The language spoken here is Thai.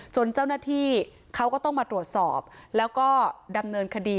เจ้าหน้าที่เขาก็ต้องมาตรวจสอบแล้วก็ดำเนินคดี